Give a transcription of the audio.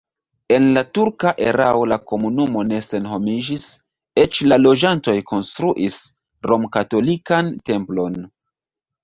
En la turka erao la komunumo ne senhomiĝis, eĉ la loĝantoj konstruis romkatolikan templon.